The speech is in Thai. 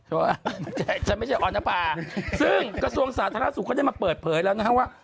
ว่าฉันไม่ใช่ออนภาซึ่งกระทรวงสาธารณสุขเขาได้มาเปิดเผยแล้วนะฮะว่า